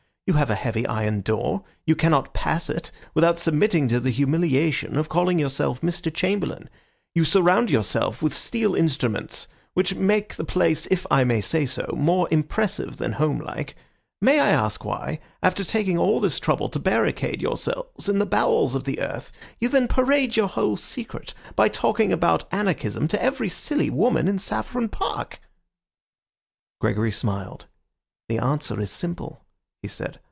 You have a heavy iron door. You cannot pass it without submitting to the humiliation of calling yourself Mr. Chamberlain. You surround yourself with steel instruments which make the place, if I may say so, more impressive than homelike. May I ask why, after taking all this trouble to barricade yourselves in the bowels of the earth, you then parade your whole secret by talking about anarchism to every silly woman in Saffron Park?" Gregory smiled. "The answer is simple," he said.